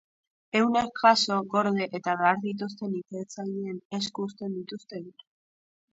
Ehunak jaso, gorde eta behar dituzten ikertzaileen esku uzten dituzte gero.